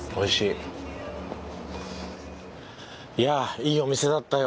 いやいいお店だったよ。